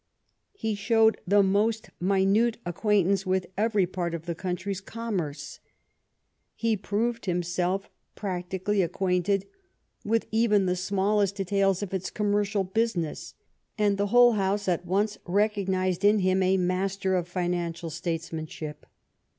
He showed the most minute acquaintance with every part of the country's commerce. He proved himself practically acquainted with even the smallest de tails of its commercial business, and the whole House at once recognized in him a master of financial statesmanship.